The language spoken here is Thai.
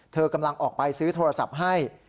เธอกำลังออกไปซื้อโทรศัพท์ให้